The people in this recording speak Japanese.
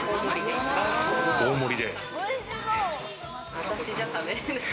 私じゃ食べれない。